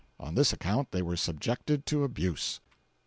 On this account they were subjected to abuse."